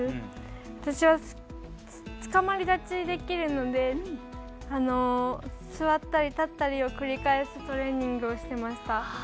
私は、つかまり立ちできるので座ったり立ったりを繰り返すトレーニングをしてました。